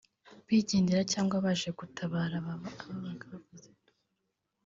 bigendera cyangwa baje gutabara ababaga bavuza induru